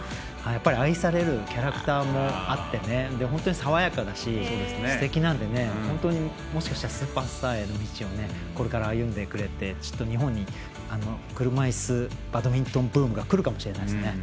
愛されるキャラクターもあって爽やかですてきなのでもしかしたらスーパースターへの道をこれから歩んでくれて日本に車いすバドミントンブームがくるかもしれないですね。